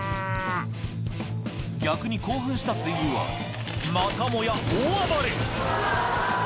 逆に興奮した水牛はまたもや大暴れ！